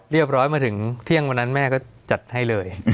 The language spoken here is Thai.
มาถึงเที่ยงวันนั้นแม่ก็จัดให้เลย